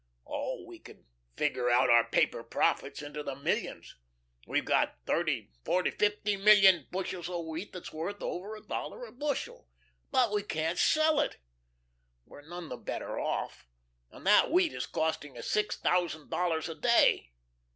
Oh, we can figure out our paper profits into the millions. We've got thirty, forty, fifty million bushels of wheat that's worth over a dollar a bushel, but if we can't sell it, we're none the better off and that wheat is costing us six thousand dollars a day.